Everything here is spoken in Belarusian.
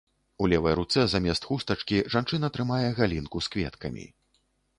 У левай руцэ замест хустачкі жанчына трымае галінку з кветкамі.